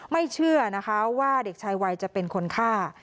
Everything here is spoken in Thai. ไม่เชื่อว่าเด็กชายวัยจะเป็นคนฆ่า